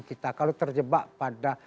kita kalau terjebak pada